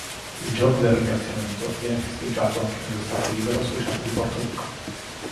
Il giorno del ringraziamento viene festeggiato anche nello stato libero associato di Porto Rico.